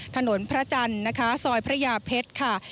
ถนนพระจันทร์นะคะซอยพระยาเพชรค่ะ